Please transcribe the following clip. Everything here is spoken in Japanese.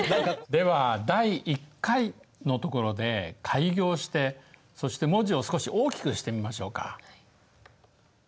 では「第１回」のところで改行してそして文字を少し大きくしてみましょうか。